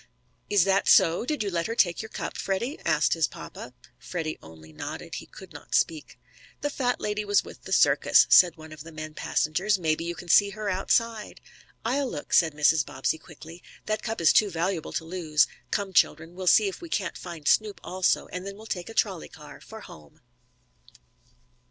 "Is that so did you let her take your cup, Freddie?" asked his papa. Freddie only nodded. He could not speak. "That fat lady was with the circus," said one of the men passengers. "Maybe you can see her outside." "I'll look," said Mr. Bobbsey, quickly. "That cup is too valuable to lose. Come, children, we'll see if we can't find Snoop also, and then we'll take a trolley car for home."